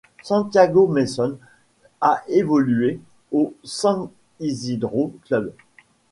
Santiago Meson a évolué au San Isidro Club.